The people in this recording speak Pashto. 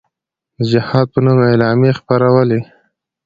د جهاد په نوم اعلامیې خپرولې.